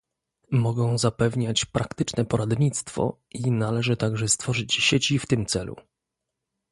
Mogą zapewniać praktyczne poradnictwo i należy także stworzyć sieci w tym celu